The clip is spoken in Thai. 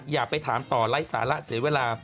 อย่าไปถามต่อไร้สาระเสียเวลา